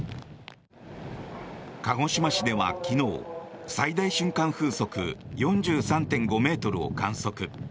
鹿児島市では昨日最大瞬間風速４３．５ｍを観測。